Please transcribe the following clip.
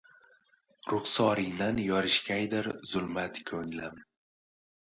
Ruxsoringdan yorishgaydir zulmat ko‘nglim